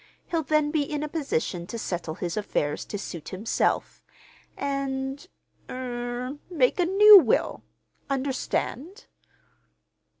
He'll then be in a position to settle his affairs to suit himself, and—er—make a new will. Understand?"